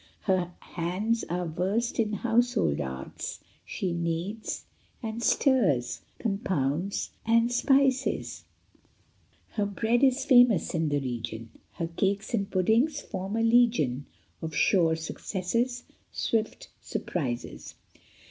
Her hands are versed in household arts : She kneads and stirs, compounds and spices ; Her bread is famous in the region ; Her cakes and puddings form a legion Of sure successes, swift surprises.